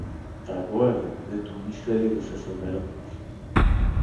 Драгоево, гдето мислели да се съберат.